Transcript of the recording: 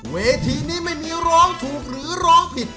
เวทีนี้ไม่มีร้องถูกหรือร้องผิด